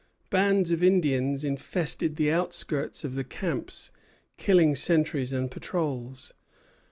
Bands of Indians infested the outskirts of the camps, killing sentries and patrols.